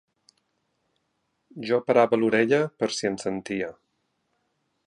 Jo parava l'orella per si en sentia